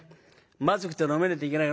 まずくて飲めねえといけない。